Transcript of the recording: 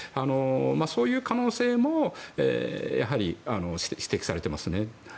そういう可能性もやはり指摘されていますね。